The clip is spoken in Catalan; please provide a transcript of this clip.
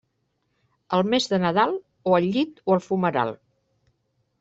El mes de Nadal, o al llit o al fumeral.